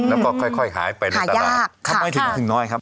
แล้วก็ค่อยหายไปหายากทำไมถึงน้อยครับ